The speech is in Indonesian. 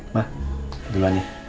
ma duluan ya